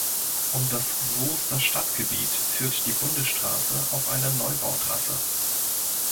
Um das Soester Stadtgebiet führt die Bundesstraße auf einer Neubautrasse.